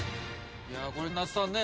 これ那須さんね